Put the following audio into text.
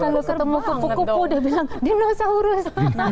kalau ketemu koko koko dia bilang dinosaurus